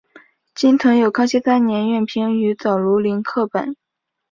今存有康熙三年宛平于藻庐陵刻本。